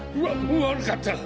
わ悪かった！